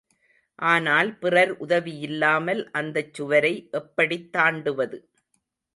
ஆனால் பிறர் உதவியில்லாமல் அந்தச் சுவரை எப்படித் தாண்டுவது?